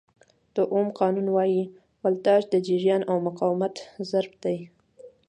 د اوم قانون وایي ولټاژ د جریان او مقاومت ضرب دی.